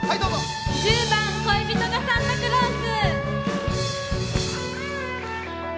１０番「恋人がサンタクロース」。